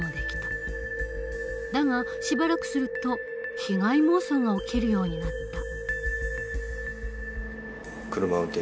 だがしばらくすると被害妄想が起きるようになった。